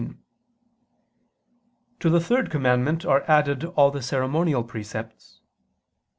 To the third commandment are added all the ceremonial precepts.